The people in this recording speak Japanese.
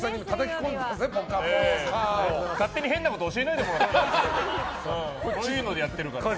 勝手に変なこと教えないでもらっていい？